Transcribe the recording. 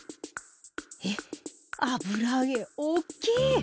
えっ⁉油揚げ大きい！